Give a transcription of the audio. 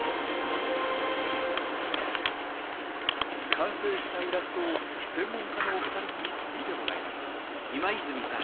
完成したイラストを専門家のお二人に見てもらいました。